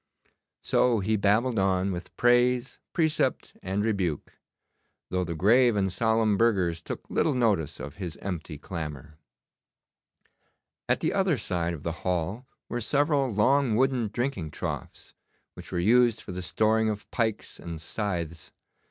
So he babbled on with praise, precept, and rebuke, though the grave and solemn burghers took little notice of his empty clamour. At the other side of the hall were several long wooden drinking troughs, which were used for the storing of pikes and scythes.